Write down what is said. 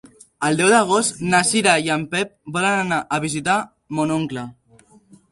El deu d'agost na Cira i en Pep volen anar a visitar mon oncle.